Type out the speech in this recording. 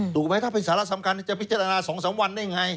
ถูกไหมถ้าเป็นสาระสำคัญจะพิจารณา๒๓วันได้ไง